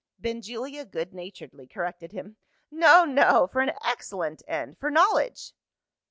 Benjulia good naturedly corrected him. "No, no. For an excellent end for knowledge."